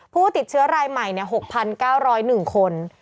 ผู้ติดเชื้อรายใหม่๖๙๐๑คน